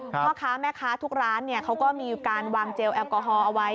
พ่อค้าแม่ค้าทุกร้านเขาก็มีการวางเจลแอลกอฮอลเอาไว้